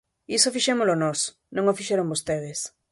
Iso fixémolo nós, non o fixeron vostedes.